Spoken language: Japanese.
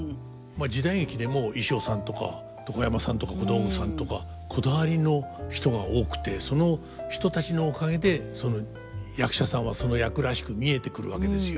時代劇でも衣装さんとか床山さんとか小道具さんとかこだわりの人が多くてその人たちのおかげで役者さんはその役らしく見えてくるわけですよ。